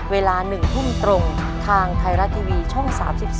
เวลา๑ทุ่มตรงทางไทยรัฐทีวีช่อง๓๒